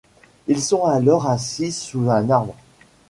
Ils sont alors assis sous un arbre.